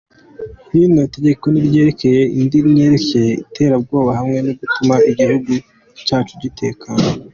"Rino tegeko ntiryerekeye idini-ryerekeye iterabwoba hamwe n'ugutuma igihugu cacu gitekana.